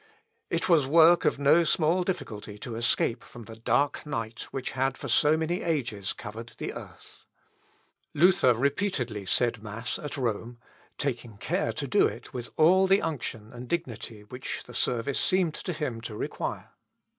It was work of no small difficulty to escape from the dark night which had for so many ages covered the earth. (Ibid.) Luther repeatedly said mass at Rome, taking care to do it with all the unction and dignity which the service seemed to him to require.